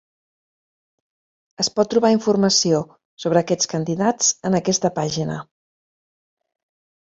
Es pot trobar informació sobre aquests candidats en aquesta pàgina.